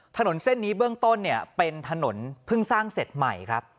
ถนนเส้นนี้เบื้องต้นเนี่ยเป็นถนนเพิ่งสร้างเสร็จใหม่ครับ